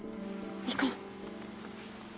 行こう。